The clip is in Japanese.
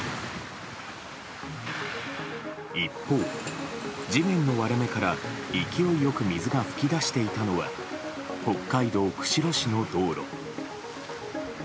一方、地面の割れ目から勢いよく水が噴き出していたのは北海道釧路市の道路。